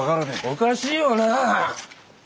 おかしいよなぁ。